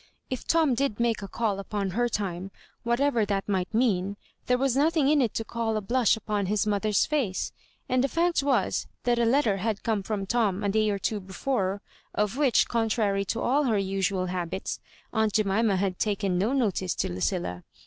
If Tom did make a call upon her tune, whatever that might mean, there was nothing in it to call a blush upon his mother's face. And the fact was, that a letter had come from Tom a day or two before, of which, contrary to all her usual habits, aunt Jemima had taken no notice to Lucilla.